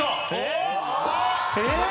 えっ！？